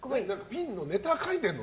ピンのネタ書いてるの？